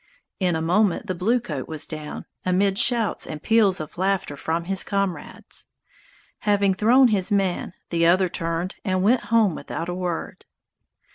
In a moment the bluecoat was down, amid shouts and peals of laughter from his comrades. Having thrown his man, the other turned and went home without a word.